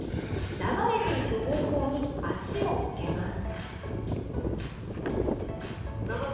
流れていく方向に足を向けます。